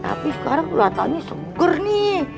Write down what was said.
tapi sekarang kelihatannya seger nih